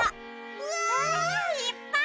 うわ！いっぱい。